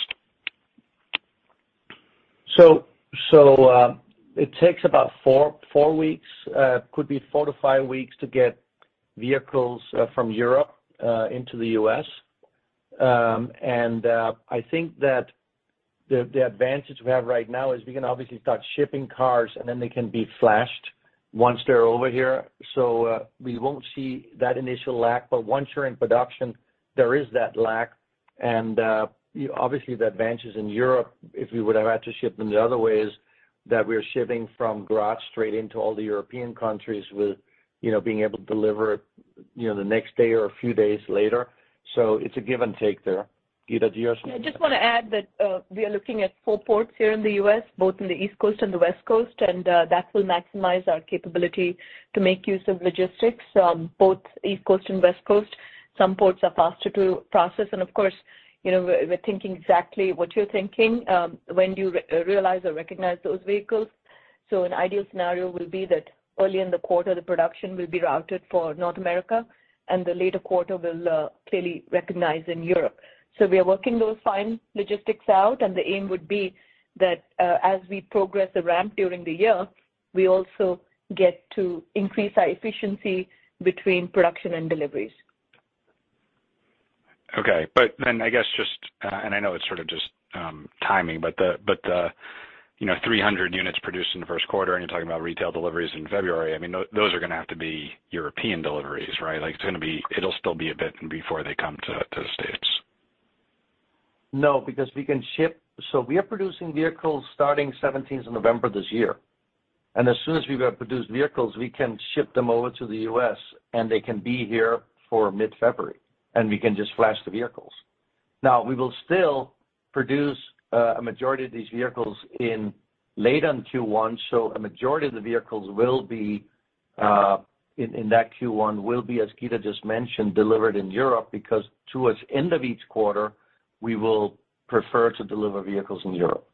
It takes about four weeks, could be four to five weeks to get vehicles from Europe into the U.S. I think that the advantage we have right now is we can obviously start shipping cars and then they can be flashed once they're over here. We won't see that initial lag. Once you're in production, there is that lag. Obviously the advantage is in Europe, if we would have had to ship them the other ways that we're shipping from Graz straight into all the European countries with you know, being able to deliver you know, the next day or a few days later. It's a give and take there. Geeta, do you want to Yeah, I just wanna add that we are looking at four ports here in the US, both in the East Coast and the West Coast, and that will maximize our capability to make use of logistics, both East Coast and West Coast. Some ports are faster to process. Of course, you know, we're thinking exactly what you're thinking, when do you realize or recognize those vehicles. An ideal scenario will be that early in the quarter, the production will be routed for North America, and the later quarter will clearly recognize in Europe. We are working those fine logistics out and the aim would be that as we progress the ramp during the year, we also get to increase our efficiency between production and deliveries. I guess just, and I know it's sort of just timing, but the you know, 300 units produced in the first quarter, and you're talking about retail deliveries in February, I mean, those are gonna have to be European deliveries, right? Like, it's gonna be. It'll still be a bit before they come to the States. No, because we can ship. We are producing vehicles starting seventeenth of November this year. As soon as we have produced vehicles, we can ship them over to the U.S. and they can be here for mid-February and we can just flash the vehicles. Now, we will still produce a majority of these vehicles in late in Q1. A majority of the vehicles will be in that Q1, as Gita just mentioned, delivered in Europe because towards the end of each quarter, we will prefer to deliver vehicles in Europe.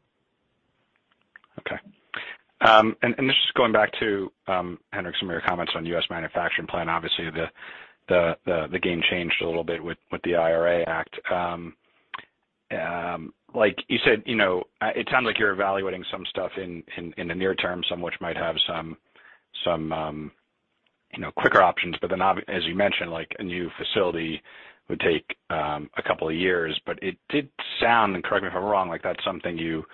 Okay. Just going back to Henrik, some of your comments on U.S. manufacturing plan. Obviously, the game changed a little bit with the IRA Act. Like you said, you know, it sounds like you're evaluating some stuff in the near term, some which might have some you know quicker options. But then as you mentioned, like a new facility would take a couple of years. But it did sound, and correct me if I'm wrong, like that's something you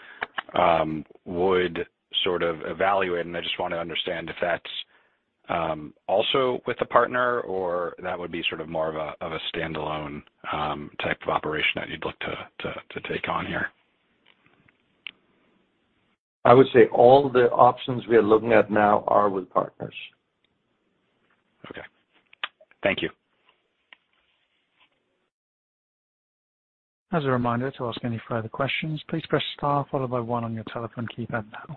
would sort of evaluate. I just wanna understand if that's also with a partner or that would be sort of more of a standalone type of operation that you'd look to take on here. I would say all the options we are looking at now are with partners. Okay. Thank you. As a reminder to ask any further questions, please press star followed by one on your telephone keypad now.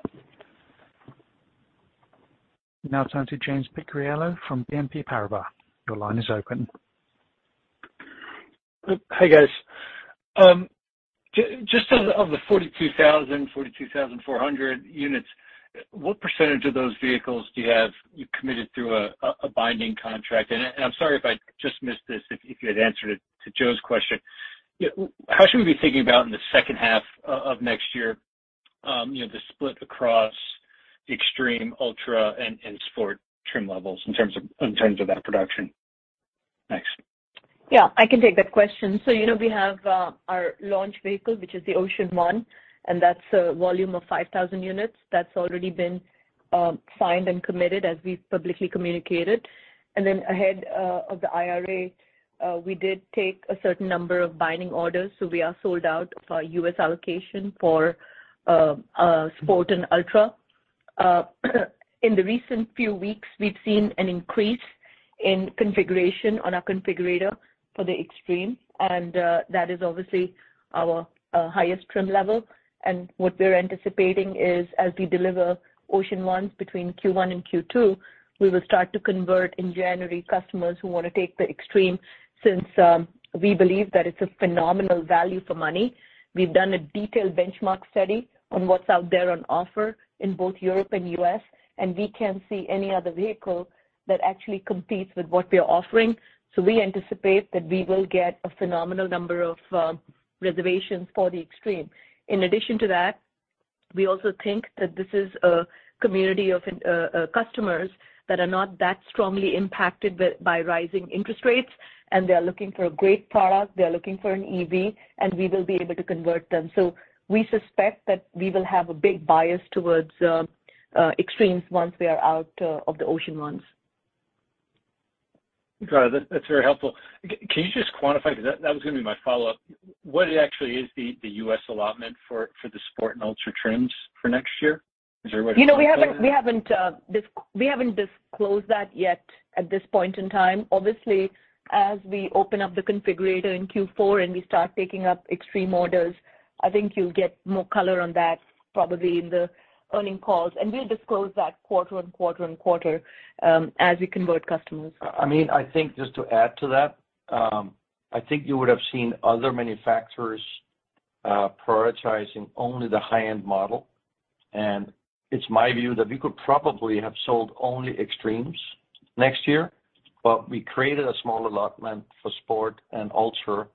Now time to James Picariello from BNP Paribas. Your line is open. Hi, guys. Just of the 42,400 units, what percentage of those vehicles have you committed through a binding contract? I'm sorry if I just missed this, if you had answered it to Joe's question. You know, how should we be thinking about in the second half of next year, you know, the split across Extreme, Ultra and Sport trim levels in terms of that production? Thanks. Yeah, I can take that question. You know, we have our launch vehicle, which is the Ocean One, and that's a volume of 5,000 units. That's already been signed and committed as we've publicly communicated. Ahead of the IRA, we did take a certain number of binding orders, so we are sold out of our U.S. allocation for Sport and Ultra. In the recent few weeks, we've seen an increase in configuration on our configurator for the Extreme, and that is obviously our highest trim level. What we're anticipating is as we deliver Ocean Ones between Q1 and Q2, we will start to convert in January customers who wanna take the Extreme since we believe that it's a phenomenal value for money. We've done a detailed benchmark study on what's out there on offer in both Europe and U.S., and we can't see any other vehicle that actually competes with what we are offering. We anticipate that we will get a phenomenal number of reservations for the Extreme. In addition to that, we also think that this is a community of customers that are not that strongly impacted by rising interest rates, and they are looking for a great product, they are looking for an EV, and we will be able to convert them. We suspect that we will have a big bias towards Extremes once we are out of the Ocean Ones. Got it. That's very helpful. Can you just quantify, 'cause that was gonna be my follow-up. What actually is the U.S. allotment for the Sport and Ultra trims for next year? Is there a way to talk about that? You know, we haven't disclosed that yet at this point in time. Obviously, as we open up the configurator in Q4 and we start taking up Extreme orders, I think you'll get more color on that probably in the earnings calls. We'll disclose that quarter-over-quarter as we convert customers. I mean, I think just to add to that, I think you would have seen other manufacturers prioritizing only the high-end model. It's my view that we could probably have sold only Extremes next year, but we created a small allotment for Sport and Ultra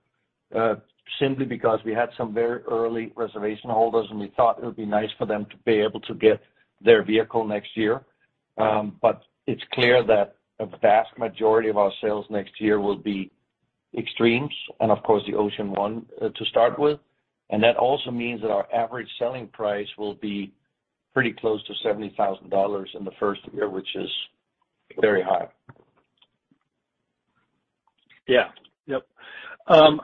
simply because we had some very early reservation holders and we thought it would be nice for them to be able to get their vehicle next year. It's clear that a vast majority of our sales next year will be Extremes and, of course, the Ocean One to start with. That also means that our average selling price will be pretty close to $70,000 in the first year, which is very high. Yeah. Yep.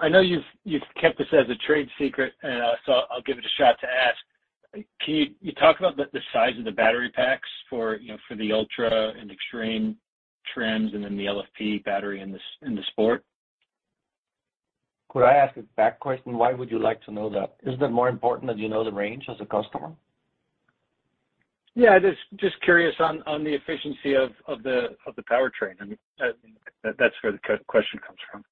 I know you've kept this as a trade secret, so I'll give it a shot to ask. Can you talk about the size of the battery packs for, you know, for the Ultra and Extreme trims and then the LFP battery in the Sport? Could I ask a back question? Why would you like to know that? Isn't it more important that you know the range as a customer? Yeah. Just curious on the efficiency of the powertrain. I mean, that's where the question comes from.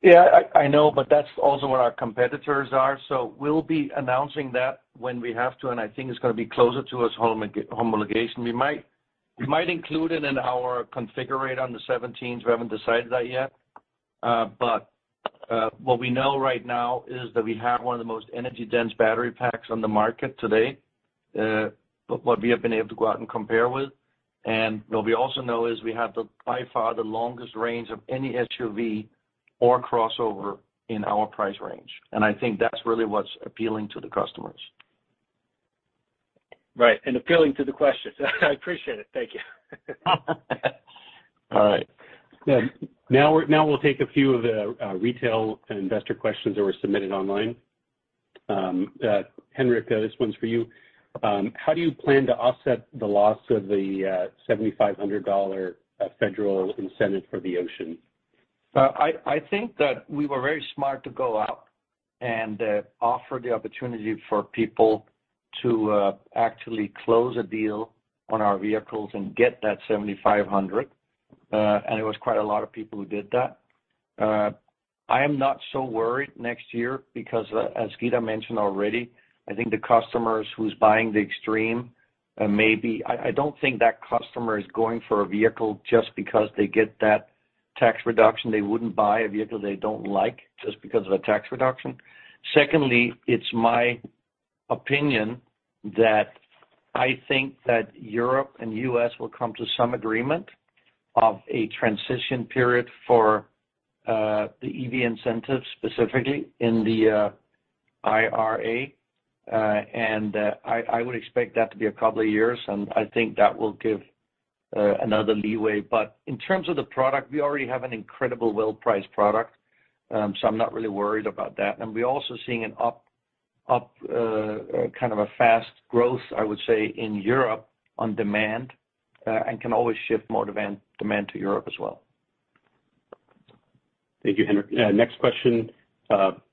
Yeah, I know, but that's also what our competitors are. We'll be announcing that when we have to, and I think it's gonna be closer to its homologation. We might include it in our configurator on the seventeens. We haven't decided that yet. But what we know right now is that we have one of the most energy-dense battery packs on the market today, but what we have been able to go out and compare with. What we also know is we have the, by far, the longest range of any SUV or crossover in our price range. I think that's really what's appealing to the customers. Right. Appealing to the questions. I appreciate it. Thank you. All right. Now we'll take a few of the retail and investor questions that were submitted online. Henrik, this one's for you. How do you plan to offset the loss of the $7,500 federal incentive for the Ocean? I think that we were very smart to go out and offer the opportunity for people to actually close a deal on our vehicles and get that $7,500, and it was quite a lot of people who did that. I am not so worried next year because as Geeta mentioned already, I think the customers who's buying the Extreme. I don't think that customer is going for a vehicle just because they get that tax reduction. They wouldn't buy a vehicle they don't like just because of a tax reduction. Secondly, it's my opinion that I think that Europe and U.S. will come to some agreement of a transition period for the EV incentives, specifically in the IRA. I would expect that to be a couple of years, and I think that will give another leeway. In terms of the product, we already have an incredible well-priced product, so I'm not really worried about that. We're also seeing an uptick kind of a fast growth, I would say, in Europe in demand, and can always shift more demand to Europe as well. Thank you, Henrik. Next question.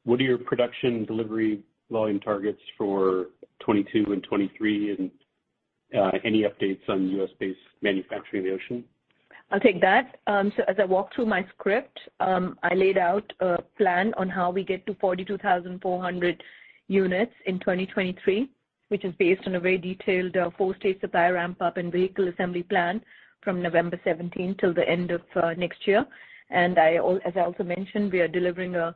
What are your production delivery volume targets for 2022 and 2023? Any updates on U.S.-based manufacturing of the Ocean? I'll take that. So as I walked through my script, I laid out a plan on how we get to 42,400 units in 2023, which is based on a very detailed, full-stage supply ramp-up and vehicle assembly plan from November 17 till the end of next year. As I also mentioned, we are delivering a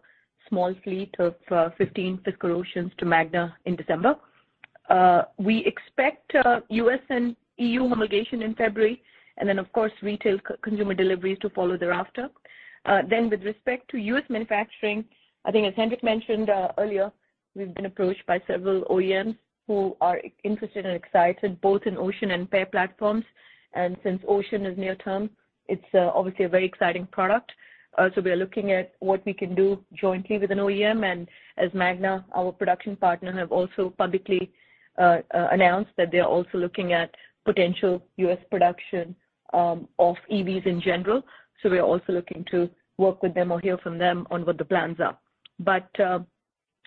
small fleet of 15 physical Oceans to Magna in December. We expect U.S. and EU homologation in February, and then, of course, retail consumer deliveries to follow thereafter. With respect to U.S. manufacturing, I think as Henrik mentioned earlier, we've been approached by several OEMs who are interested and excited both in Ocean and PEAR platforms. Since Ocean is near term, it's obviously a very exciting product. We are looking at what we can do jointly with an OEM. As Magna, our production partner, have also publicly announced that they are also looking at potential U.S. production of EVs in general. We are also looking to work with them or hear from them on what the plans are.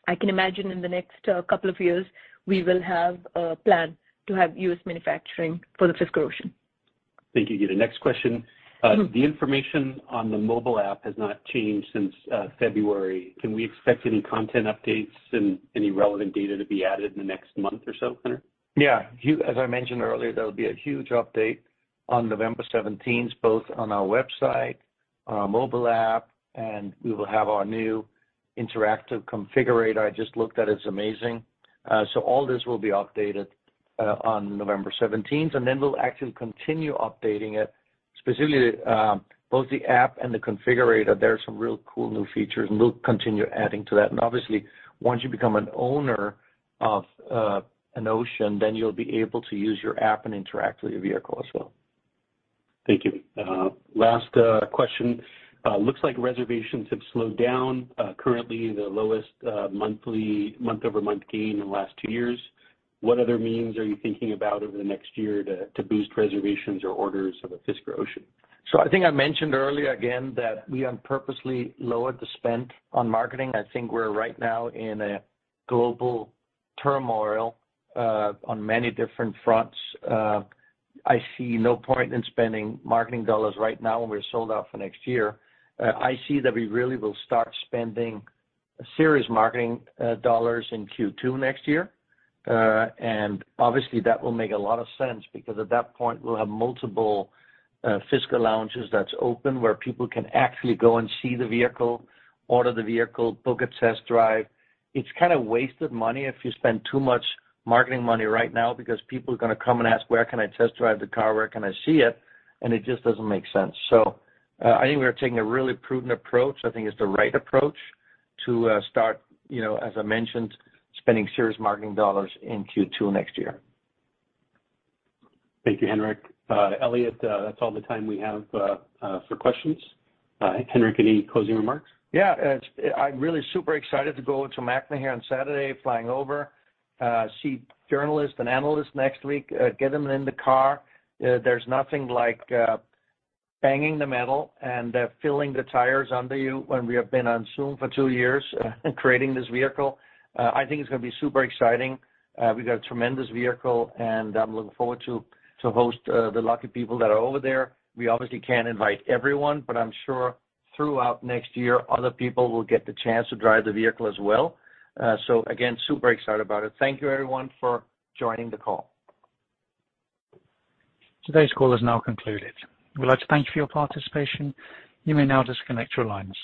I can imagine in the next couple of years, we will have a plan to have U.S. manufacturing for the Fisker Ocean. Thank you. The next question. The information on the mobile app has not changed since February. Can we expect any content updates and any relevant data to be added in the next month or so, Henrik? As I mentioned earlier, there will be a huge update on November seventeenth, both on our website, our mobile app, and we will have our new interactive configurator. I just looked at it's amazing. All this will be updated on November seventeenth, and then we'll actually continue updating it, specifically, both the app and the configurator. There are some real cool new features, and we'll continue adding to that. Obviously, once you become an owner of an Ocean, then you'll be able to use your app and interact with your vehicle as well. Thank you. Last question. Looks like reservations have slowed down, currently the lowest monthly month-over-month gain in the last two years. What other means are you thinking about over the next year to boost reservations or orders of a Fisker Ocean? I think I mentioned earlier again that we have purposely lowered the spend on marketing. I think we're right now in a global turmoil, on many different fronts. I see no point in spending marketing dollars right now when we're sold out for next year. I see that we really will start spending serious marketing, dollars in Q2 next year. And obviously that will make a lot of sense because at that point, we'll have multiple, Fisker lounges that's open, where people can actually go and see the vehicle, order the vehicle, book a test drive. It's kinda wasted money if you spend too much marketing money right now because people are gonna come and ask, "Where can I test drive the car? Where can I see it?" It just doesn't make sense. I think we're taking a really prudent approach. I think it's the right approach to start, you know, as I mentioned, spending serious marketing dollars in Q2 next year. Thank you, Henrik. Elliot, that's all the time we have for questions. Henrik, any closing remarks? Yeah. I'm really super excited to go to Magna here on Saturday, flying over, see journalists and analysts next week, get them in the car. There's nothing like banging the metal and feeling the tires under you when we have been on Zoom for two years, creating this vehicle. I think it's gonna be super exciting. We got a tremendous vehicle, and I'm looking forward to host the lucky people that are over there. We obviously can't invite everyone, but I'm sure throughout next year, other people will get the chance to drive the vehicle as well. Again, super excited about it. Thank you everyone for joining the call. Today's call is now concluded. We'd like to thank you for your participation. You may now disconnect your lines.